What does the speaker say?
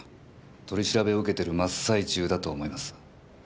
取り調べを受けてる真っ最中だと思います。